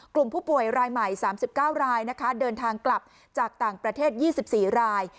กลุ่มผู้ป่วยรายใหม่๓๙รายนะคะเดินทางกลับจากต่างประเทศ๒๔ราย